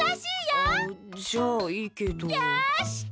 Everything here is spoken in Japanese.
よし！